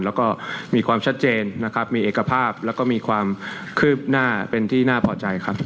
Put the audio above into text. แล้วก็มีความชัดเจนนะครับมีเอกภาพแล้วก็มีความคืบหน้าเป็นที่น่าพอใจครับ